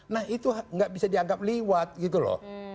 nah itu nggak bisa dianggap liwat gitu loh